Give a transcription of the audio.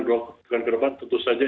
dua bulan ke depan tentu saja